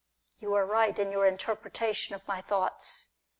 You are right in your interpretation of my thoughts.